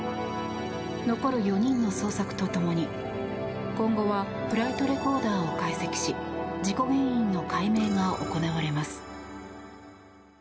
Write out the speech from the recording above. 残る４人の捜索と共に今後はフライトレコーダーを解析し事故原因の解明が行われます。